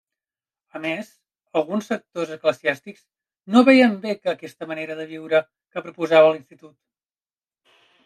A més, alguns sectors eclesiàstics no veien bé aquesta manera de viure que proposava l'institut.